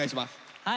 はい。